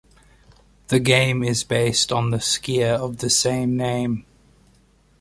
The game is based on the skier of the same name.